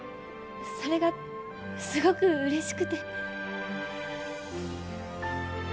それがすごく嬉しくて。